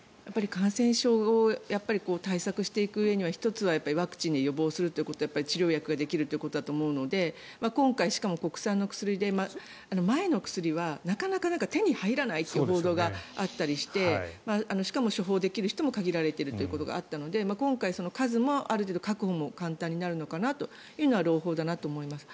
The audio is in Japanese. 感染症を対策していくうえでは１つはワクチンで予防することと治療薬ができるということだと思うのでしかも今回、国産の薬で前の薬はなかなか手に入らないという報道があったりしてしかも処方できる人も限られているということもあったので数が確保できるというのは朗報だなと思います。